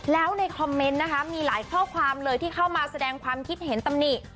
แล้วในคอมเมนต์นะคะมีหลายข้อความเลยที่เข้ามาแสดงความคิดเห็นตำหนิ